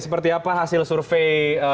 seperti apa hasil survei